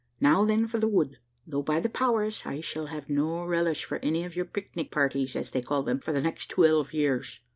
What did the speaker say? Now then for the wood, though, by the powers, I shall have no relish for any of your pic nic parties, as they call them, for the next twelve years."